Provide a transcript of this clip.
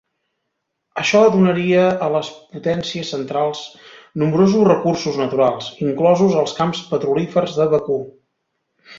Això donaria a les Potències Centrals nombrosos recursos naturals, inclosos els camps petrolífers de Bakú.